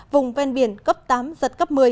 vùng ven biển cấp tám giật cấp một mươi